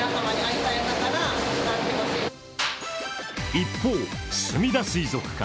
一方、すみだ水族館。